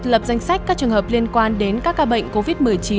lập danh sách các trường hợp liên quan đến các ca bệnh covid một mươi chín